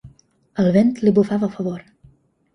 El vent li bufava a favor.